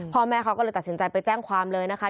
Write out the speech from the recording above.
พ่อแม่เขาก็เลยตัดสินใจไปแจ้งความเลยนะคะ